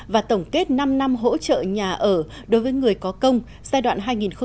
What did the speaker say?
và tổng kết năm năm hỗ trợ nhà ở đối với người có công giai đoạn hai nghìn một mươi bốn hai nghìn một mươi tám